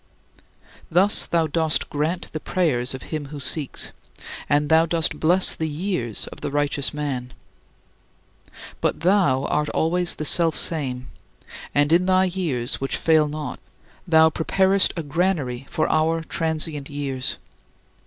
Thus thou dost grant the prayers of him who seeks, and thou dost bless the years of the righteous man. But thou art always the Selfsame, and in thy years which fail not thou preparest a granary for our transient years.